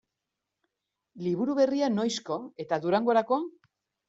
Liburu berria noizko eta Durangorako?